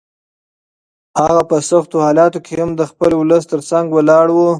هغه په سختو حالاتو کې هم د خپل ولس تر څنګ ولاړ و.